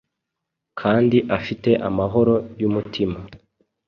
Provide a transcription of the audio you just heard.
kandi afite amahoro y’umutima.